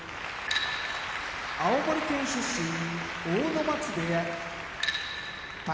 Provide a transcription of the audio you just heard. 青森県出身阿武松部屋宝